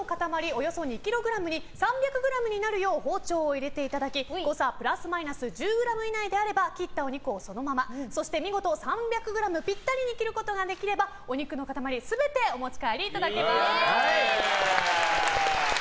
およそ２ｋｇに３００ｇになるよう包丁を入れていただき誤差プラスマイナス１０ｇ以内であれば切ったお肉をそのままそして見事３００ｇピッタリに切ることができればお肉の塊全てお持ち帰りいただけます。